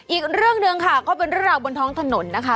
อีกเรื่องหนึ่งค่ะก็เป็นเรื่องราวบนท้องถนนนะคะ